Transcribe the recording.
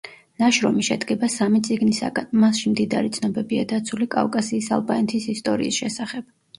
ნაშრომი შედგება სამი წიგნისაგან, მასში მდიდარი ცნობებია დაცული კავკასიის ალბანეთის ისტორიის შესახებ.